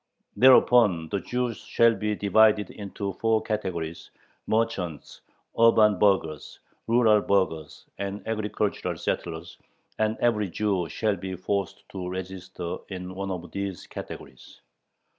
Thereupon the Jews shall be divided into four categories: merchants, urban burghers, rural burghers, and agricultural settlers, and every Jew shall be forced to register in one of these categories.